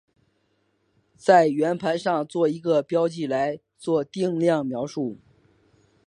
在圆盘上做一个标记来做定量描述。